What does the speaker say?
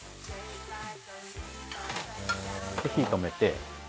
火止めて。